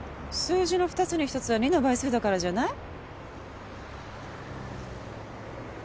数字の２つに１つは２の倍数だからじゃない？